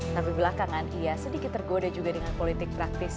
tapi belakangan ia sedikit tergoda juga dengan politik praktis